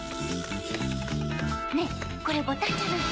ねぇこれボタンじゃない？